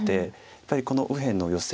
やっぱりこの右辺のヨセ